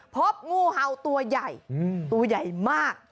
พบงูเห่าตัวใหญ่ตัวใหญ่มาก